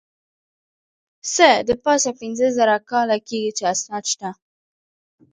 څه د پاسه پینځه زره کاله کېږي چې اسناد شته.